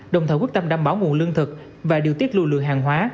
đồng thời quyết tâm đảm bảo nguồn lương thực và điều tiết lưu lượng hàng hóa